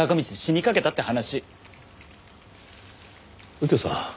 右京さん